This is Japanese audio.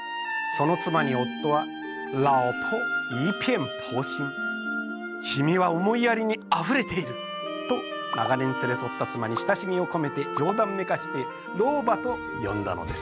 その妻に夫は「きみは思いやりにあふれている」と長年連れ添った妻に親しみを込めて冗談めかして「老婆」と呼んだのです。